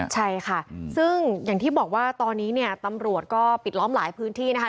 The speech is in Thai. ใช่ค่ะซึ่งอย่างที่บอกว่าตอนนี้เนี่ยตำรวจก็ปิดล้อมหลายพื้นที่นะคะ